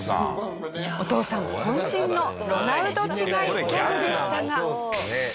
お父さん渾身のロナウド違いギャグでしたが。